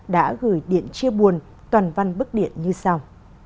đã gửi điện chia buồn toàn văn bức điện như sau